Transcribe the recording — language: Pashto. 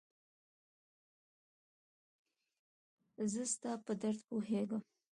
زه ستا په درد پوهيږم